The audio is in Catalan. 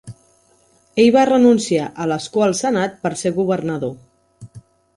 Ell va renunciar a l'escó al senat per ser governador.